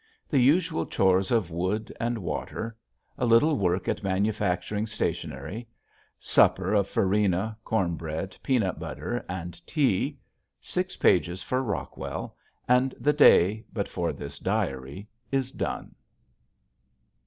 The usual chores of wood and water; a little work at manufacturing stationery; supper of farina, corn bread, peanut butter, and tea; six pages for Rockwell; and the day, but for this diary, is done.